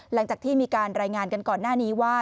หลังจากที่มีการรายงานกันก่อนหน้านี้ว่า